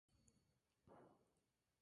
Presenta dos fachadas con sendas puertas.